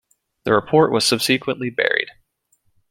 The report was subsequently buried.